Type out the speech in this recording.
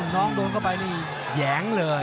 ้นลงเข้าไปแหย้งเลย